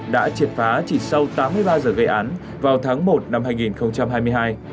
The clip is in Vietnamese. đã triệt phá chỉ sau tám mươi ba giờ gây án vào tháng một năm hai nghìn hai mươi hai